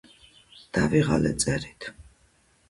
დავიღალე წერით